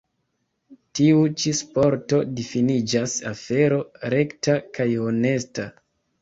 Tiu ĉi sporto difiniĝas afero rekta kaj honesta.